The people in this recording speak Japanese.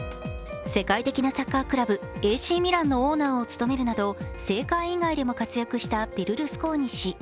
世界的なサッカークラブ、ＡＣミランのオーナーを務めるなど政界以外でも活躍したベルルスコーニ氏。